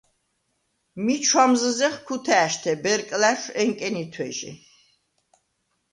მი ჩუ̂ამზჷზეხ ქუთა̄̈შთე ბერკლა̈რშუ̂ ეკენითუ̂ეჟი.